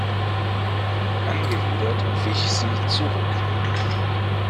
Angewidert wich sie zurück.